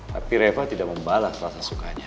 tapi reva tidak membalas rasa sukanya